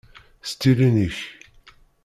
S tilin-ik!